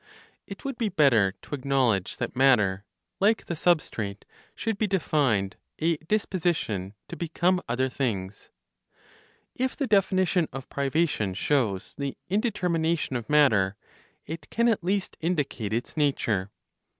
It would be better to acknowledge that matter, like the substrate, should be defined a disposition to become other things. If the definition of privation shows the indetermination of matter, it can at least indicate its nature.